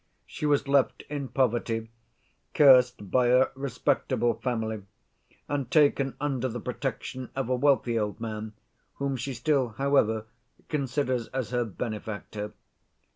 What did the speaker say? She was left in poverty, cursed by her respectable family, and taken under the protection of a wealthy old man, whom she still, however, considers as her benefactor.